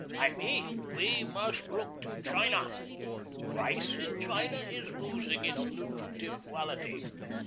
I mean, we must look to China. Rice in China is losing its nutritive quality.